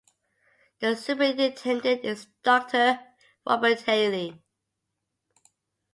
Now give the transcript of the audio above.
The superintendent is Doctor Robert Haley.